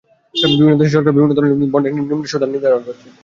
বিভিন্ন দেশের সরকার বিভিন্ন ধরনের বন্ডের নিম্ন সুদের হার নির্ধারণ করেছে।